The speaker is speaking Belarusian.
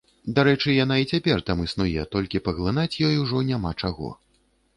Дарэчы, яна і цяпер там існуе, толькі паглынаць ёй ужо няма чаго.